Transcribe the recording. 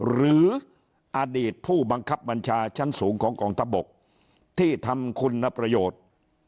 หรืออดีตผู้บังคับบัญชาชั้นสูงของกองทัพบกที่ทำคุณประโยชน์